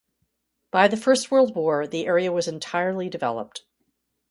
By the First World War the area was entirely developed.